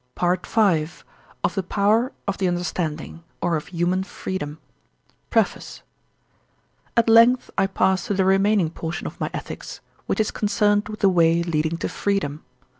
PART V: Of the Power of the Understanding, or of Human Freedom PREFACE At length I pass to the remaining portion of my Ethics, which is concerned with the way leading to freedom.